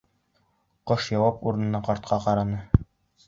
Ҡош яуап урынына ҡартҡа ҡараны.